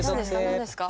何ですか？